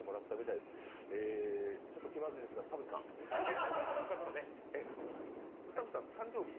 ちょっと気まずいですが、田渕さん。